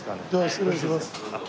では失礼します。